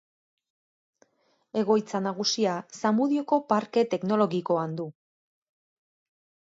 Egoitza nagusia Zamudioko parke teknologikoan du.